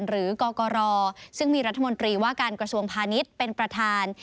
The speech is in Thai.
กกรซึ่งมีรัฐมนตรีว่าการกระทรวงพาณิชย์เป็นประธาน